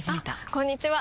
あこんにちは！